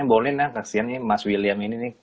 boleh nah kasihan mas william ini nih